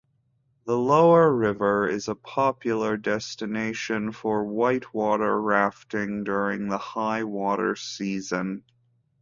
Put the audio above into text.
The lower river is a popular destination for whitewater rafting during the high-water season.